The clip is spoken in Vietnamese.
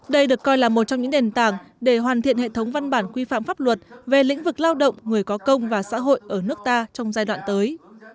đây được coi là một trong những nền tảng để hoàn thiện hệ thống văn bản quy phạm pháp luật về lĩnh vực lao động người có công và xã hội ở nước ta trong giai đoạn tới